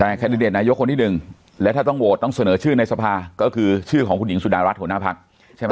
แต่แคนดิเดตนายกคนที่หนึ่งและถ้าต้องโหวตต้องเสนอชื่อในสภาก็คือชื่อของคุณหญิงสุดารัฐหัวหน้าพักใช่ไหม